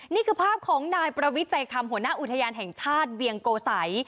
นี่คือภาพของนายประวิจัยคำหัวหน้าอุทยานแห่งชาติเวียงโกสัย